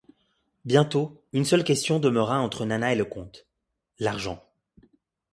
Bientôt, une seule question demeura entre Nana et le comte: l'argent.